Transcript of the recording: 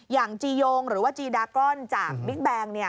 จียงหรือว่าจีดากรอนจากบิ๊กแบงค์